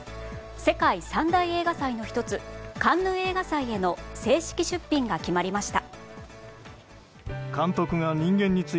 世界三大映画祭の１つカンヌ映画祭への正式出品が決まりました。